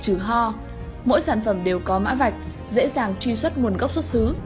trừ ho mỗi sản phẩm đều có mã vạch dễ dàng truy xuất nguồn gốc xuất xứ